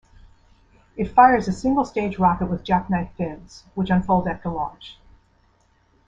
It fires a single-stage rocket with jack-knife fins, which unfold after launch.